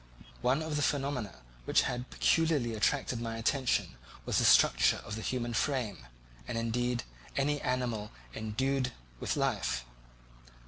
One of the phenomena which had peculiarly attracted my attention was the structure of the human frame, and, indeed, any animal endued with life.